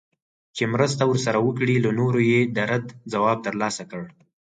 چي مرسته ورسره وکړي له نورو یې د رد ځواب ترلاسه کړ